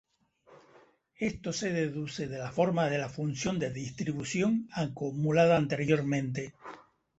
Esto se deduce de la forma de la función de distribución acumulada dada anteriormente.